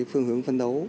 phương hướng phân đấu